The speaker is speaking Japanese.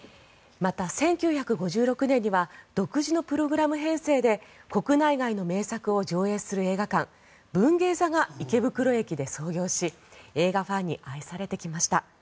また、１９５６年には独自のプログラム編成で国内外の名作を上映する映画館文芸坐が池袋駅で創業し映画ファンに愛されてきました。